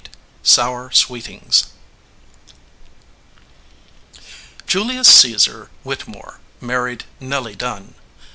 13 SOUR SWEETINGS JULIUS CAESAR WHITTEMORE married Nelly Dunn.